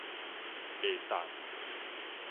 會當